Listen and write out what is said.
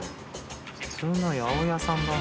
普通の八百屋さんだな。